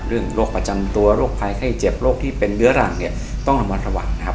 เรื่องโรคประจำตัวโรคภายไข้เจ็บโรคที่เป็นเหลือรังเนี่ยต้องทำวันถวันนะครับ